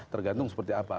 tergantung seperti apa